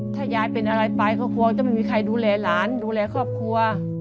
ถ้ายายเป็นอะไรไปก็กลัวจะไม่มีใครดูแลหลานดูแลครอบครัว